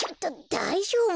だいじょうぶ？